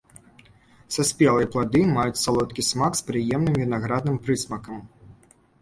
Саспелыя плады маюць салодкі смак з прыемным вінаградным прысмакам.